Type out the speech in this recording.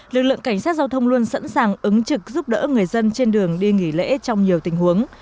lực lượng cảnh sát giao thông luôn sẵn sàng ứng trực giúp đỡ người dân trên đường đi nghỉ lễ trong nhiều tình huống